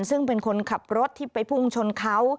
ซึ่งเป็นคนขับรถที่ไปพุ่งชนเขา